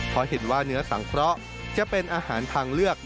เพราะเห็นว่าเนื้อสังเคราะห์จะเป็นอาหารทางเลือก